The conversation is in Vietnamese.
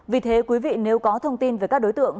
vì thế quý vị nếu có thông tin về các đối tượng